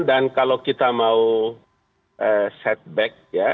dan kalau kita mau setback ya